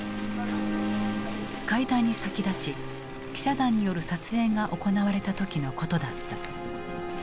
会談に先立ち記者団による撮影が行われた時のことだった。